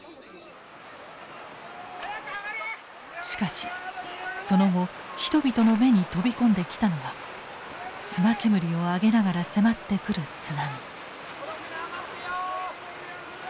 しかしその後人々の目に飛び込んできたのは砂煙を上げながら迫ってくる津波。